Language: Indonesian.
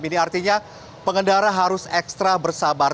ini artinya pengendara harus ekstra bersabar